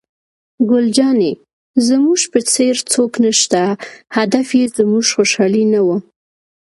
ګل جانې: زموږ په څېر څوک نشته، هدف یې زموږ خوشحالي نه وه.